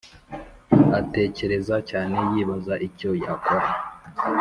atekereza cyane yibaza icyo yakora